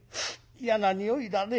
嫌な臭いだね。